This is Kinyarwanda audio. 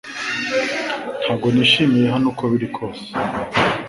Ntabwo nishimiye hano uko biri kose